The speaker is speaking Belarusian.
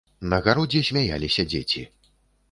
На гародзе смяяліся дзеці.